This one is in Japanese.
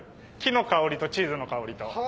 木の香りとチーズの香りと。